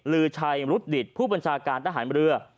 ลื้อชัยศัตริย์ดิตผู้บัญชาการทหารเมือเตือน